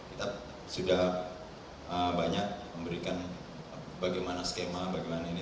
kita sudah banyak memberikan bagaimana skema bagaimana ini